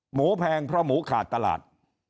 แพงเพราะหมูขาดตลาด